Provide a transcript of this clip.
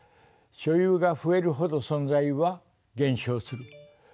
「所有が増えるほど存在は減少する」。